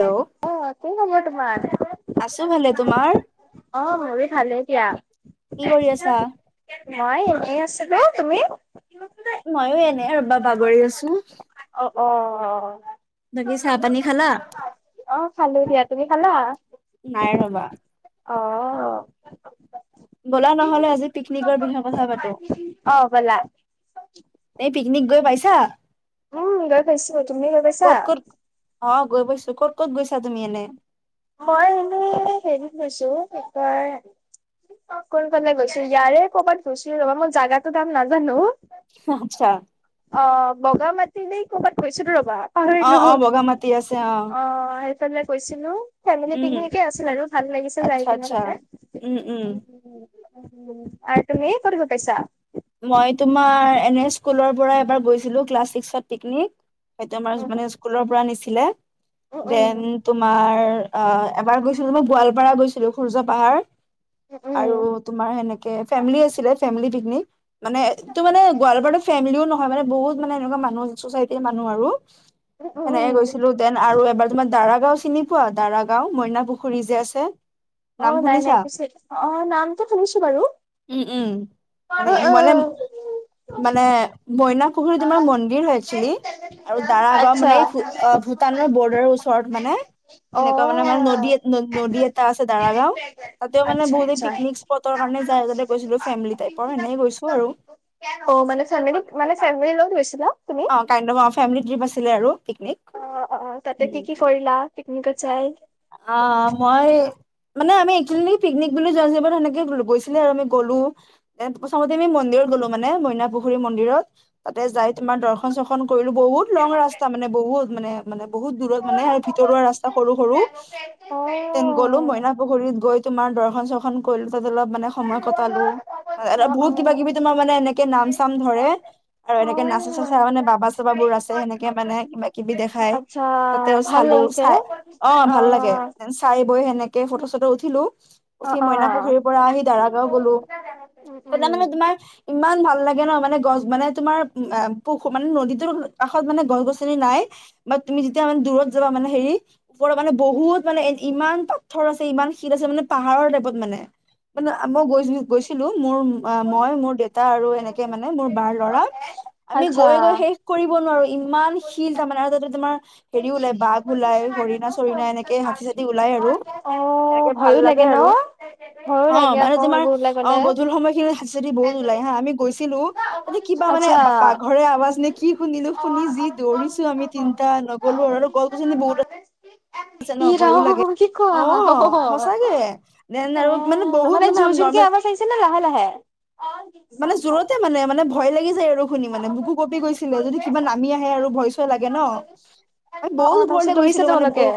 Hello অ', কি খবৰ তোমাৰ? আছো ভালে তোমাৰ অ', মোৰ ভালে দিয়া। কি কৰি আছা? মই এনেই আছো হা তুমি। ময়ো এনে ৰ'বা বাগৰি আছো। অ অ। বাকী চাহ পানী খালা? অ', খালো দিয়া তুমি খালা? নাই ৰবা অ'। ব'লা নহলে আজি পিকনিকৰ বিষয়ে কথা পাতো। অ ব'লা এই পিকনিক গৈ পাইছা। উম গৈ পাইছো, তুমি গৈ পাইছা? ক'ত ক'ত অ', গৈ পাইছো ক'ত ক'ত গৈছা তুমি এনে? মই এনেই হেৰিত গৈছো কি কয়। অ', কোন কলে গৈছো ইয়াৰে ক'ৰবাত গৈছিলো ৰবা মই জাগাটো নাম নাজানো। আচ্ছা অ', বগা মাতিনে কৰ'বাত গৈছিলো ৰ'বা। অ অ পাহৰিলোঁ বগা মাটি আছে অ', সেইফালে গৈছিলো ফেমিলি উম পিকনিক আছিল আৰু ভাল লাগিছে যাই আচ্ছা পিনে আচ্ছা। তাতে। উম উম তুমি ক'ত গৈ পাইছা? মই তোমাৰ এনে স্কুলৰ পৰা গৈছিলো ক্লাছ ছিক্সত পিকনিক। হেইটো আমাৰ উম, মানে স্কুলৰ পৰা নিছিলে, উম, উম, দেন তোমাৰ অ' এবাৰ গৈছিলোঁ মই গোৱালপাৰা গৈছিলোঁ সূৰ্য পাহাৰ উম, আৰু তোমাৰ সেনেকে ফেমিলি আছিলে ফেমিলি পিকনিক মানে ইটো মানে গোৱালপাৰাৰ ফেমিলিও নহয় মানে বহুত মানে এনেকুৱা মানুহ ছ'চাইটিৰ মানুহ আৰু উম, সেনেকে উম। গৈছিলোঁ দেন আৰু এবাৰ তোমাৰ দাৰাগাওঁ চিনিপোৱা দাৰাগাঁও মইনা পুখুৰী যে আছে। অ' নাম নাই শুনিছা নাই পিছে নামটো শুনিছোঁ বাৰু। উম উম মানে মানে উম। মানে মইনাপুখুৰী তোমাৰ মন্দিৰ হৈ একচুৱেলি। আৰু দাৰাগাঁও আচ্ছা। মানে এই ভূ ভূটানৰ বৰ্ডাৰৰ ওচৰত মানে। সেনেকুৱা মানে মানে নদী অ', নদী এটা আছে দাৰাগাঁও তাতেও মানে আচ্ছা, বহুতে আচ্ছা। পিকনিক স্পটৰ কাৰণে আগতে গৈছিলোঁ ফেমিলি টাইপৰ এনেই গৈছিলোঁ। অ' মানে ফেমিলি মানে ফেমিলিৰ লগত গৈছিলা? তুমি? অ' কাইণ্ড অফ ফেমিলি ট্ৰিপ আছিল আৰু। অ', অ', তাতে কি-কি কৰিলা পিকনিকত যাই? অ, মই মানে আমি একচুলি পিকনিক বুলি যোৱা হিচাপত সেনেকে গৈছিলে আৰু আমি গ'লো এ প্ৰথমতে আমি মন্দিৰ ত গ'লো মানে মইনা পুখুৰী মন্দিৰত তাতে যাই তোমাৰ দৰ্শন চৰ্শন কৰিলো বহুত লং ৰাস্তা মানে বহুত মানে-মানে বহুত দূৰত মানে ভিতৰুৱা ৰাস্তা সৰু-সৰু তেন গ'লো অ'। মইনা পুখুৰীত গৈ তোমাৰ দৰ্শন চৰ্শন কৰিলোঁ তাত অলপ মানে সময় কটালোঁ আৰু অ', বহুত কিবা- কিবি তোমাৰ মানে এনেকে নাম চাম ধৰে আৰু এনেকে নাচা-চাচা অ', মানে বাবা চাবাবোৰ আছে সেনেকে মানে কিবা-কিবি দেখাই আচ্ছা তাতেও ভাল চালো লাগিছে। চাই অ, ভাল লাগে চাই বৈ সেনেকে ফটো-চটো উঠিলোঁ। অ', উঠি মইনা অ', পুখুৰীৰ পৰা আহি দাৰ গাঁও গলো উম, তাতে উম, মানে তোমাৰ ইমান ভাল লাগে [unintelligible] ন' মানে গছ মানে তোমাৰ উম, পুুখু মানে নদীটোৰ কাষত মানে গছ-গছনি নাই বা তুমি তুমি যেতিয়া মানে দূৰত যাবা মানে হেৰী উপ মানে বহুত মানে ইমান পাথৰ আছে ইমান শিল আছে মানে পাহাৰৰ টাইপত মানে মানে মই গৈ-গৈছিলো মোৰ মই মোৰ দেউতা আৰু এনেকে মানে মোৰ বাৰ ল'ৰা। আমি আচ্ছা। গৈ-গৈ শেষ কৰিব নোৱাৰো ইমান শিল তাৰমানে আৰু তাতে তোমাৰ হেৰি ওলাই বাঘ ওলাই, হৰিণা চৰিনা এনেকে হাতী চাঠি ওলাই আৰু অ', এনেকে ভাল ভয়ো লাগে ন? আৰু। ভয়ো অ, লাগে মানে আকৌ তোমাৰ সেইবোৰ ওলাই অ, গ'লে। গধূল সময়খিনি হাতী- চাঠী বহুত ওলাই হা আমি গৈছি লোঁ তাতে কিবা মানে আচ্ছা। বাঘৰে আৱাজ নে কি শুনিলো শুনি যি দৌৰিছো আমি তিনটা নগলো আৰু এনেও গছ- গছনি বহুত আ ছে কি ন' ভয়ো লাগে ৰাম কি কোৱা? অ, সঁচাকে দেন আৰু মানে বহুত মানে আ কে আমাৰ চাইছেনে লাহে-লাহে? মানে জোৰতে মানে-মানে ভয় লাগি যায় আৰু শুনি মানে বুকো কঁপি গৈছিলে যদি কিবা নামি আহে আৰু ভয় চয় লাগে ন'? এ অ অ বহুত তাৰপিছত ওপৰলৈ দৌৰিছে গৈছিলো মানে তেওঁলোকে অ,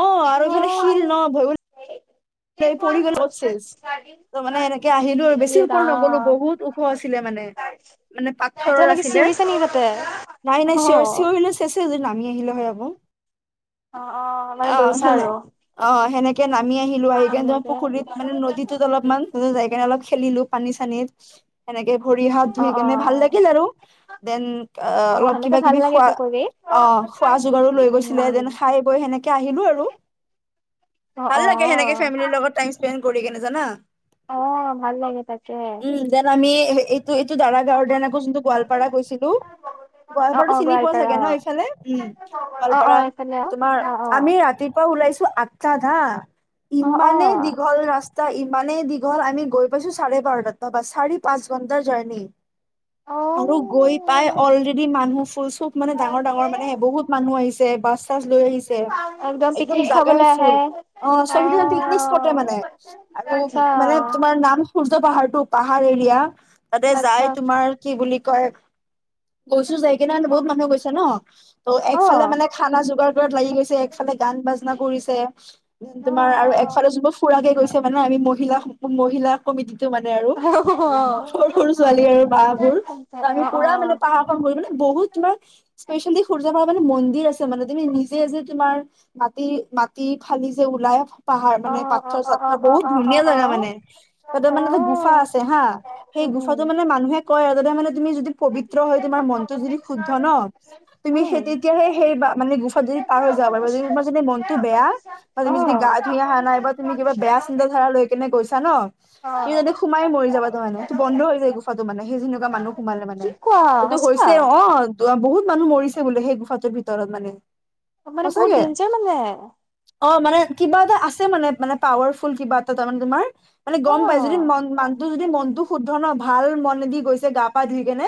অ, আৰু এইফালে শিল ন' ভয়ো [unintelligible] পৰি গলে বত চেচ। ত' মানে এনেকে আহিলোঁ আৰু বেছি ইয়ে ওপৰ নগলো ৰাম বহুত ওখ আছিলে মানে -মানে পাক পাথৰৰ তেওঁলোকে আছিলে চিঞৰিছে নেকি তাতে অ নাই-নাই অ চিঞৰ- চিঞৰিলে চেছে যদি নামি আহিলে হয় আকৌ অ মানে অ, দৌৰিছা সেনে আৰু -অ, সেনেকে নামি আহিল ত' আহি কেনে এনেকে পুখুৰীত মানে নদীটোত অলপমান যাই কেনে অলপ খেলিলোঁ পানী চানীত সনেকে ভৰি হাত অ ধুই অ কেনে ভাল লাগিল আৰু দেন অ অলপ সেনেকে ভাল কিবা-কিবি লাগে খোৱা পুখুৰী অ, খোৱা যোগাৰো লৈ উম গৈছিলে দেন খাই বৈ সেনেকে আহিলো আৰু। অ', ভাল অ', লাগে [unintelligible] লগত টাই স্পেন কৰি কেনে জানা? অ, ভাল লাগে তাকে। টো এইটো দাৰাগাও দিয়া না আকৌ যোনটো গোৱালপাৰা গৈছিলো অ গোৱালপাৰাটো অ চিনি পোৱা গোৱালপাৰা চাগে ন' এইফালে উম। অ অ অ গোৱালপাৰা, এইফালে অ তোমাৰ আমি ৰাতিপুৱা ওলাইছ আঠটাত হা, অ অ ইমানেই দীঘল ৰাচ তা, ইমানেই দীঘল আমি গৈ পাইছোঁ চাৰে বাৰতাত [unintelligible] চাৰি, পাঁচ ঘণ্টাৰ জাৰ্নি অ অ আৰু গৈ পাই অলৰেডি মানুহ খুব মান ডাঙৰ, ডাঙৰ মানে বহুত মানুহ আহিছে বাছ [unintelligible] লৈ আহিছে একদম পিকনিক জাগাই খাবলৈ আহে ফোল অ' পিকনিক‌ স্পটে মানে আৰু আচ্ছা মানে তোমাৰ নাম সূৰ্য পাহাৰ টো, পাহাৰ এৰিয়া তাতে আচ্ছা যায় তোমাৰ কি বুলি কয় গৈছোঁ যায় কেনে মানে বহুত মানুহ গৈছে ন! ত' অ একফালে মানে খানা যোগাৰ কৰাত লাগি গৈছে, একফালে গান বাজনা কৰিছে, উম অ তোমাৰ আৰু একফালে যোনবোৰ ফুৰাকে গৈছে মানে আমি মহিলা, মহিলা কমিটিটো মানে আৰু অ অ অ সৰু, সৰু ছোৱালী আৰু বাবোৰ আমি অ অ পুৰা মানে পাহাৰখন ঘূৰি মানে বহুত তোমাৰ স্পেচিয়ালী সূৰ্য পা মানে মন্দিৰ আছে মানে তুমি নিজে যে, তোমাৰ মাটি, মাটি ফালি যে, ওলাই পাহাৰ মানে অ পাথৰ সত্তৰ বহুত অ ধুনীয়া অ অ জেগা মানে তাতে অ মানে এটা গুফা আছে হা সেই উম উম গুফাটো মান মানুহে কয় আৰুগতে মানে তুমি যদি পবিত্ৰ হয়, তোমাৰ মনটো যদি শুদ্ধ ন' তুমি সেই উম তেতিয়াহে সেই বা মানে গোফাতোদি পাৰ হৈ আৰু তোমাৰ যদী মনতটো বেয়া বা অ তুমি যদি গা ধুই আহা নাই, তুমি কিবা বেয়া চিন্তা ধাৰালৈ কেনে গৈছা ন' [unintelligible] সোমাই মৰি যাবা তাৰ মানে, বন্ধ হৈ যায় গুফাটো মানে সেই যেনেকুৱা মানুহ সোমালে কি মানে কোৱা সেইটো সঁচা হৈছে অ', ত' বহুত মানুহ মৰিছে বোলে সেই গোফাটোৰ ভিতৰত মানে। মানে বহুত সঁচাকে ডেঞ্জাৰ মানে? অ মানে কিবা এটা আছে মানে মানে পাৱাৰফুল কিবা এটা তাৰ মানে তোমাৰ মানে অ গম পাই যদি মন যদি মনটো শুদ্ধ ন ভাল মনে দি গৈছে গা পা ধুই কেনে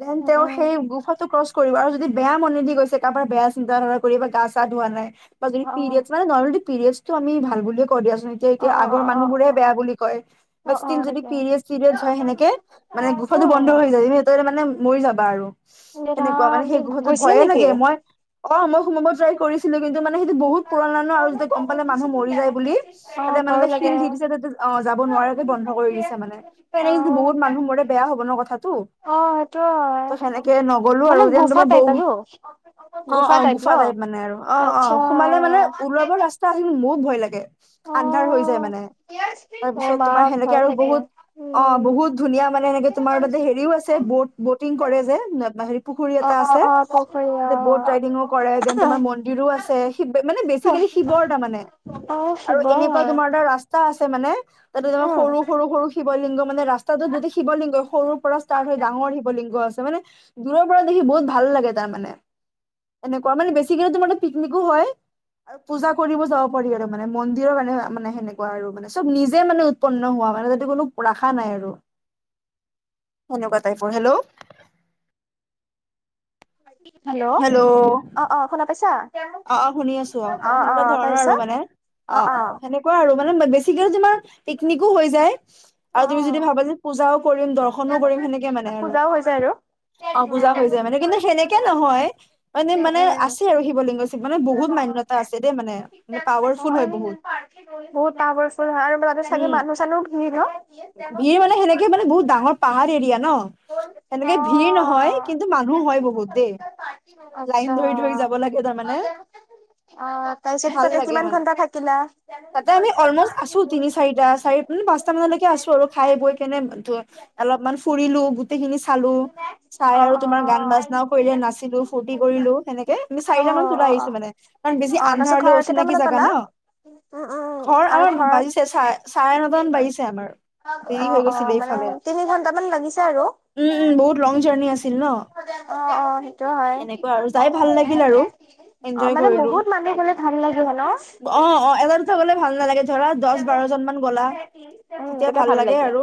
দেন উম তেওঁ সেই উম গুফাটো ক্ৰচ কৰিব, আৰু যদি বেয়া মনে দি গৈছে কাৰবাৰ বেয়া চিন্তাধাৰা কৰি, গা চা ধোৱা নাই অ' অলৰেডি পেৰিয়েডচটো আমি ভাল বুলিয়ে কওঁ দিয়া এতিয়া, অ অ এতিয়া অ আগৰ অ মানুহবোৰে বেয়া বুলি কয়, বা অ অ ষ্টীল যদি তাকে পিৰিয়েৰ্ডছ, চিৰিয়েডচ হয়, সেনেকে মানে গোফাটো বন্ধ হৈ যায় [unintelligible] মৰি যাবা আৰু এ সেনেকুৱা ৰাম মানে সেই তই গুফাটো গৈছিলি ভয়ে নেকি? লাগে মই অ মই সোমাব ট্ৰাই কৰিছো [unintelligible] কিন্তু মানে সেইটো বহুত পুৰণা ন' আৰু যেতিয়া গম পালে মানুহ মৰি যায় বুলি অ ভয়ো মানে শিল লাগে। দি দিছে যাতে অ', যাব নোৱাৰাকে বন্ধ কৰি দিছে মানে ত' অ এনেকে অ যদি বহুত মানুহ মৰে বেয়া হ'ব ন' কথাটো সেইটো হয় ত' সেনেকে নগ'লো আৰু মানে যেন গুফা তোমাৰ টাইপ বহু আৰু অ', অ', গুফা টাইপ মানে আৰু অ', আচ্ছা অ', সোমালে মানে ওলাবৰ ৰাস্তা [unintelligible] ভয় লাগে অ আ হৈ যায় মানে, তাৰ অ পিছত মা তোমাৰ সেনেকে ভয় আৰু লাগে বহুত অ', উম বহুত ধুনীয়া মানে এনেকে তোমাৰ তাতে হেৰিও আছে ব-বটিং কৰে যে, হেৰি পুখুৰী অ এটা অ আছে। অ পুখুৰী অ ব'ট ৰাইডিঙো কৰে, দেন তোমাৰ মন্দিৰো আছে, সি মা-মানে বেছি [unintelligible] শিৱৰ তাৰমানে অ আৰু শিৱ এনেকুৱা তোমাৰ এটা ৰাস্তা আছ ছে মানে এটা তোমাৰ উম সৰু, সৰু, সৰু ৱলিংগ মানে ৰাস্তাটোত গোটেই শিৱলিংগ সৰুৰ পৰা ষ্টাৰ্ট হৈ ডাঙৰ শিৱলিংগ আছে মানে দূৰৰ পৰা দেখি বহুত ভাল লাগে তাৰমানে এনেকুৱা মানে বেছিকে তো পিকনিকো হয়। আৰু পূজা কৰিব যাব পাৰি আৰু মানে মন্দিৰৰ কাৰণে মানে সেনেকুৱা আৰু মানে চব নিজে মানে উৎপন্ন হোৱা। মানে যদি কোনো ৰাখা নাই আৰু সেনেকুৱা টাইপৰ, হেল্ল'। [inaudible] [unintelligible] হেল্ল' অ', অ', শুনা পইছা? অ শুনি আছো মানে অ', সেনেকুৱা অ', ধৰণৰ আৰু তাৰপিছত? মানে অ- অ সেনেকুৱা আৰু মানে বেছি তিগাৰে তোমাৰ পিকনিকো হৈ যায়, অ আৰু তুমি যদি ভাবা যে পুজাও কৰিম, দৰ্শনো কৰিম। সেনেকে, অ মানে, আৰু, পূজাও হৈ যায় আৰু অ' পূজা হৈ যায়, মানে। কিন্তু, সেনেকে নহয়। হয়, মানে, মানে আছে, আৰু শিৱলিংগ। মানে, বহুত মান্যতা আছে দেই। মানে, বহুত পাৱাৰফুল হয় বহুত। বহুত পাৱাৰফুল হয় আৰু তাতে চাগে উম, মানুহ চানুহ ভিৰ ন অ ভিৰ মানে, সেনেকে মানে বহুত ডাঙৰ পাহাৰ এৰিয়া, ন? সেনেকে ভিৰ নহয়, কিন্তু মানুহ হয় বহুত দেই। লাইন আচ্ছা ধৰি ধৰি যাব লাগে, তাৰমা অ, তাৰছিত ভাল তাতে লাগে কিমান মানে ঘণ্টা থাকিলা? তাতে আমি অলমষ্ট আছো তিনি-চাৰিটাৰ পৰা চাৰি-পাঁচটালৈকে আছোঁ, আৰু খাই-বৈ কেনে [unintelligible] অলপমান ফুৰিলোঁ, গোটেইখিনি চালোঁ-চাই। অ', অ'। আৰু তোমাৰ অ', গান-বাজনাও কৰিলে, নাচ [unintelligible] ফূৰ্তি কৰিলোঁ। সেনেকে আমি চাৰিটামানত ওলাই অ', অ', আহিছোঁ, মানে, কাৰণ বেছি তাৰপিছত আন্ধাৰলৈ ঘৰ অচিনাকি কেইটামানত জাগা, পালা? ন। উম উম ঘৰ আৰু আমাৰ ঘৰ বাজিছে। চাৰে চাৰে নটামান বাজিছে আমাৰ। দেৰি অ, হৈ অ, গৈছিলে মানে, এইফালে তিনি ঘণ্টামান লাগিছে আৰু। উম উম, বহুত লং জাৰ্ণি আছিল, ন? অ অ সেইটো হয়। এনেকুৱা আৰু যাই ভাল লাগিল আৰু অ', এনজয় মানে কৰিলো বহুত মানুহ গ'লে ভাল লাগিব, ন? অ, অ, এটাৰ উঠা গ'লে ভাল নালাগে। ধৰা দচ বাৰজন মান গ'লা তেতিয়া ভাল লাগে আৰু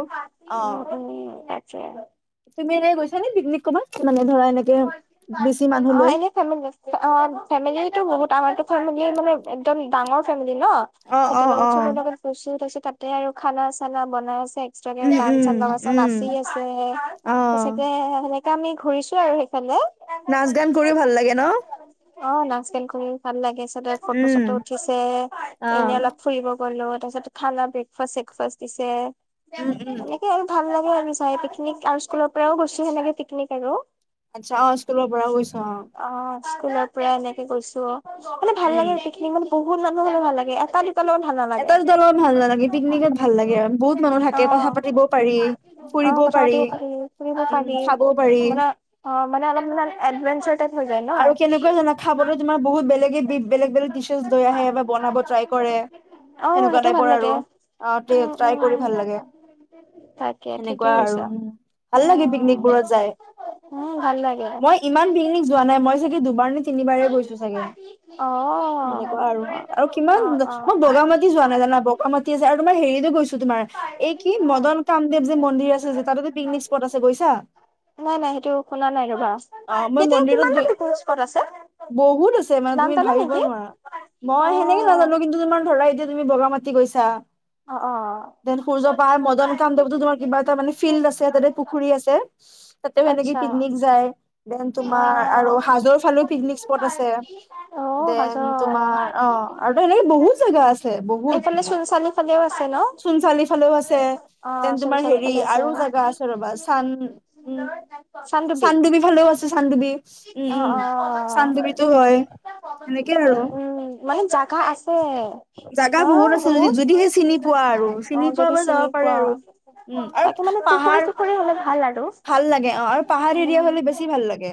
উম, অ'। উম, তাকে। তুমি এনেই গৈছানে পিকনিক কবাত মানে ধৰা এনেকে বেছি মানুহ লৈ অ'এনে ফেমিনিচ অ'ফেমেলিটো বহুত আমাৰ ফেমিলি মানে একদম ডাঙৰ ফেমিলি ন' অ অ সিহঁতৰ লগত অ চব লগত গৈছোঁ। তাৰপিছত, তাতে আৰু খানা চানা বনাই আছে। এক্সট্ৰাকে উম গান চান উম লগাচে উম নাচি আছে। অ তা চাগে সেনেকা আমি ঘূৰিছো আৰু। সেইফালে নাচ গান কৰি ভাল লাগে ন? অ' নাচ গান কৰিও ভাল লাগে চদাই উম ফটো-চটো উঠিছে অ এনে অলপ ফুৰিব গ'লো। পাছতে খানা ব্ৰেকফাষ্ট-চেকফাষ্ট দিছে উম উম এনেকে আৰু ভাল লা আৰু চাই পিকনিক আৰু স্কুলৰ পৰাও গৈছোঁ সেনেকে পিকনিক আৰু। আচ্ছা, অ' স্কুলৰ পৰা গৈছা অ'। স্কুলৰ পৰা এনেকে গৈছোঁ। মানে ভাল উম লাগে পিকনিক মানে বহুত মানুহ হ'লে ভাল লাগে। এটা দু এটা দুটালগত ভাল নালাগে পিকনিকত ভাল লাগে আৰু বহুত মানুহ থাকে কথা অ', পাতিবও পাৰি। অ', কথা পাতিব পাৰি শুনিব উম পাৰি খাবও পাৰি মানে অ' মানে অলপ মানে এডভেঞ্চাৰ টাইপ হৈ যায় ন। আৰু কেনেকুৱা জানা, খাবলৈ তোমাৰ বহুত বে বেলেগে পিক বেলেগ, বেলেগ টিচাৰ্ছ লৈ আহে বা বনাব ট্ৰাই কৰে। অ', সেনেকুৱা সেইটো ভাল টাইপৰ লাগে আৰু আহ, আদৰি উম, ট্ৰাই উম। কৰি ভাল লাগে। তাকে ঠিকে সেনেকুৱা আৰু কৈছা ভাল লাগে, উম, পিকনিকবোৰত যাই। উম, ভাল লাগে। মই ইমান পিকনিক যোৱা নাই। মই চাগে দুবাৰ নে অ', অ'। তিনিবাৰেই গৈছোঁ, চাগে। অ' সেনেকুৱা আৰু, আৰু কিমান? য মই বগা মাটি যোৱা নাই, জানা। বগা মাটিয়ে যে আৰু নাই। হেৰিটো গৈছোঁ তোমাৰ। নাই [unintelligible] এই, কি নাই মদন কামদেৱ যে সেইটো মন্দিৰ আছে, যে তাতোতে পিকনিক স্পট আছে। গৈছা? নাই নাই সেইটো শুনা নাই ৰবা অ সেইটো [unintelligible] গৈ বহুত আছে। তে, মানে নাম তুমি জানা ভাবিব নেকি? নোৱাৰা। মই সেনেকে অ', নাজানো, কিন্তু তোমাৰ ধৰা, এতিয়া তুমি বগা মাটি গৈছা। অ', অ', দেন, সূৰ্যপাই, মদন কামদেৱতো তোমাৰ কিবা এটা, মানে, ফিল্ড আছে। তাতে পুখুৰী আছে। তাতে সেনেকে আচ্ছা। পিকনিক যায়। দেন অ তোমা আৰু হাজোৰ ফালে পিকনিক স্পট আছে। দে, হজৰ তোমাৰ অ, আৰু এনেকে বহুত জাগা আছে, বহুত এইফালে মানে। চোনচালি ফালেও আছে ন চোনচালি ফালেও আছে অ দেন, তোমাৰ। চোনচালি হেৰি, ফালে আছে আৰু জাগা আছে। ৰ'বা চান চানডুবি চান্ডুবি ভালেও আছে চান্ডুবি, উম অ উম অ চান্ডুবিটো হয়। সেনেকে, আৰু উম মানে জাগা আছে জাগা বহুত আছে, যদি যদিহে চিনি পোৱা, আৰু অ চিনি যদি পোৱাব যাব চিনি পাৰে, পোৱা আৰু, উম, আৰু তাকে মানে পুখুৰী পাহাৰ। চুখুৰী হলে ভাল আৰু ভাল লাগে। অ', আৰু পাহাৰী এৰিয়া উম হ'লে বেছি ভাল লাগে।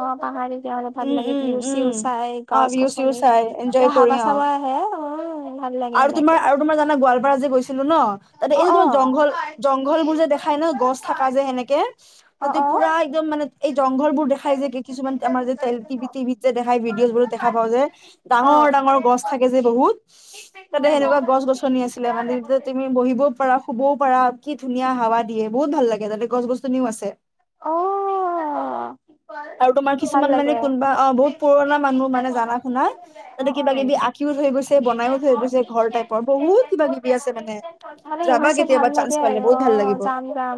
অ পাহাৰ তেতিয়াহ'লে ভাল উম লাগে উম ভিউ উম চিউ চাই অহ গছ ভিউ চিউ গছনি চাই এনজয় এতিয়া কৰি হাৱা অহা। চাৱা আহে উম ভাল লাগে আৰু তোমাৰ এনেকে আৰু তোমাৰ জানা গোৱালপাৰা যে গৈছিলো ন তাতে অ এই যে অ তোমাৰ অ জংঘল জংঘল বোৰ যে দেখাই ন' গছ থকা যে সেনেকে অ তাতে পুৰা একদম মানে জংঘল বোৰ দেখাই যে কিছুমান আমাৰ যে ট টিভিত যে দেখাই ভিডিঅ' বোৰো দেখা পাওঁ যে অ ডাঙৰ ডাঙৰ গছ থাকে যে বহুত তাতে সেনেকুৱা গছ গছনি আছিলে মানে তুমি বহিব পাৰা শুব বও পাৰা কি ধুনীয়া হাৱা দিয়ে বহুত ভাল লাগে তাতে গছ গছনিও আছে। অ'। [inaudible] আৰু তোমাৰ ভাল কিছুমান মানে লাগে কোনোবা অ', বহুত পুৰণা মানুহ মানে জাননা শুনা অ তাতে অ কিবা কিবি আঁকিও যা থৈ গৈছে বনাইও থৈ গৈছে ঘৰ টাইপৰ বহুত কিবা কিবি আছে মানে মানে যাবা সেইবোৰ চাই ভাল কেতিয়াবা লাগে চান্ঞ্চ আৰু পালে। অ বহুত ভাল লাগিব যাম যাম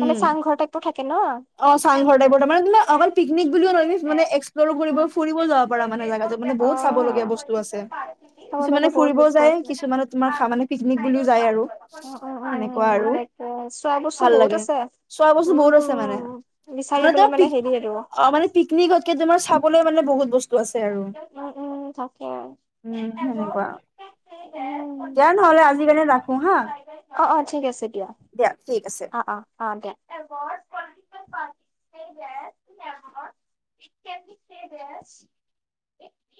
মানে চাংঘৰ টাইপৰ থাকে ন অ', চাংঘৰ টাইপৰ মানে কি আম পিকনিক বুলিও ন মানে এক্সপ্লৰো কৰিব ফুৰিবও যাব পাৰা মানে। [unintelligible] মানে বহুত‌ চাবলগিয়া বস্তু আছে চাবলগীয়া কিছুমানে বহুত ফুৰিব বস্তু যায় আছে। কিছুমানে তোমাৰ খা মানে পিকনিক বুলিও যায় আৰু উম, উম, সেনেকুৱা উম, আৰু তাকে চোৱা বস্তু ভাল বহুত লাগে। আছে। চোৱা বস্তু বহুত আছে মানে, উম, বিচাৰি মানে ত পেলাই পিক হেৰি আৰু অ মানে পিকনিকতকে ছাব বলৈ মানে বহুত বস্তু আছে আৰু উম উম থাকে। উম সেনেকুৱা উম। দিয়া নহ'লে আজিকাৰণে ৰাখো হা অ', অ', ঠিক আছে দিয়া। ঠিক আছে। অ', অ', অ', দিয়া। [unintelligible]